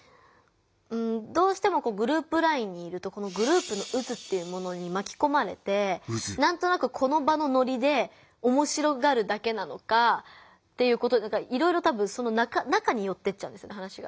どうしてもグループＬＩＮＥにいるとグループの渦っていうものにまきこまれてなんとなくこの場のノリでおもしろがるだけなのかいろいろ多分その中によってっちゃうんです話が。